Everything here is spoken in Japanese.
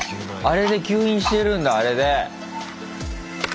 あれで吸引してるんだあれで。